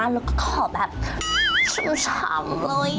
แล้วก็ขอแบบชำเลย